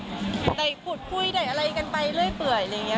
ได้พูดคุยได้อะไรกันไปเรื่อยอะไรอย่างนี้